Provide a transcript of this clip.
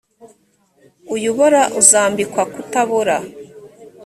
uyu ubora uzambikwa kutabora